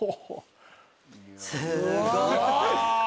すごーい！